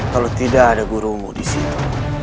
kalau tidak ada gurumu di situ